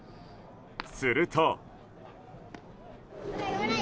すると。